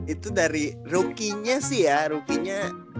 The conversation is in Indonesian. itu dari rookie nya sih ya rookie nya